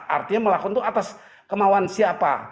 artinya melakukan itu atas kemauan siapa